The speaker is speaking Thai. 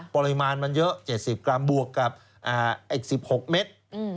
ปริมาณมันเยอะ๗๐กรัมบวกกับ๑๖เมตร